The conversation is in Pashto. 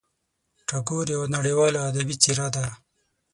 ټاګور یوه نړیواله ادبي څېره ده.